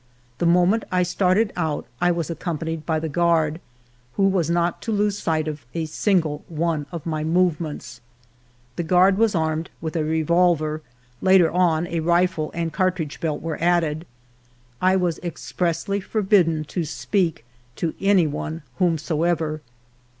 The moment I started out, I was accom panied by the guard, who was not to lose sight of a single one of my movements. The guard / 102 FIVE YEARS OF MY LIFE was armed with a revolver ; later on a rifle and cartridge belt were added. I was expressly for bidden to speak to any one whomsoever.